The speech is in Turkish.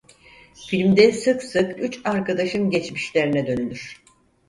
Filmde sık sık üç arkadaşın geçmişlerine dönülür.